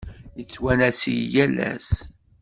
Yettwanas-iyi yal ass.